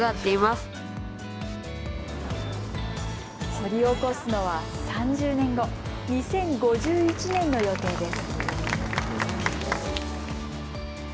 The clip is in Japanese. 掘り起こすのは３０年後、２０５１年の予定です。